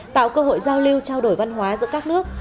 tạo cơ hội giao lưu trao đổi văn hóa giữa các nước